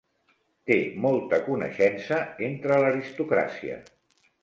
Té molta coneixença entre l'aristocràcia.